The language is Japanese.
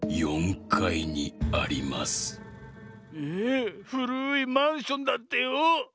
えふるいマンションだってよ。